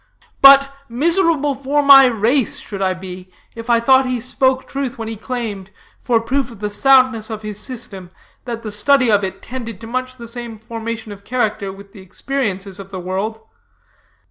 But, miserable for my race should I be, if I thought he spoke truth when he claimed, for proof of the soundness of his system, that the study of it tended to much the same formation of character with the experiences of the world.